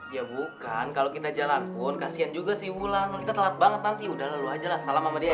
ya bukan kalau kita jalan pun kasian juga sih wulan kita telat banget nanti udah lah lo ajalah salam sama dia ya